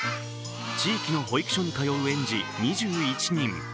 地域の保育所に通う園児２１人。